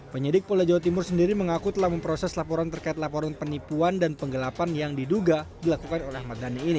penyidik polda jawa timur sendiri mengaku telah memproses laporan terkait laporan penipuan dan penggelapan yang diduga dilakukan oleh ahmad dhani ini